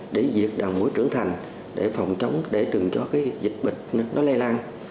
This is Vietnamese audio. để diệt đào mối trưởng thành để phòng chống để đừng cho cái dịch bệnh nó lây lan